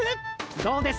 どうです？